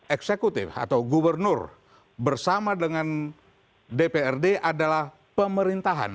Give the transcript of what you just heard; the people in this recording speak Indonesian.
eksekutif atau gubernur bersama dengan dprd adalah pemerintahan